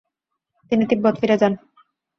তিনি তিব্বত ফিরে যান।